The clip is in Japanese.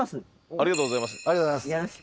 ありがとうございます。